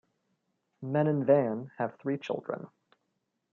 Men and Van have three children.